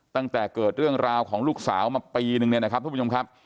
ตั้งแต่เกิดเรื่องราวของลูกสาวมาปีนึงเนี่ยนะครับทุกผู้ชมครับ